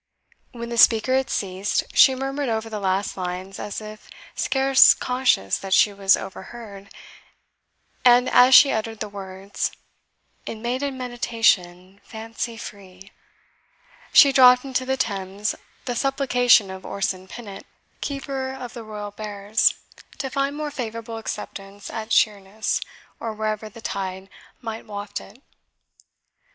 When the speaker had ceased, she murmured over the last lines as if scarce conscious that she was overheard, and as she uttered the words, "In maiden meditation, fancy free," she dropped into the Thames the supplication of Orson Pinnit, keeper of the royal bears, to find more favourable acceptance at Sheerness, or wherever the tide might waft it.